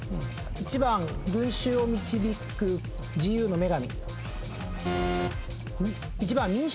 １番民衆を導く自由の女神。